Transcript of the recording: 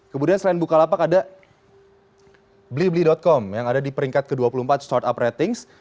kemudian selain bukalapak ada blibli com yang ada di peringkat ke dua puluh empat startup ratings